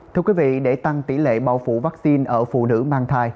thưa quý vị để tăng tỷ lệ bao phủ vaccine ở phụ nữ mang thai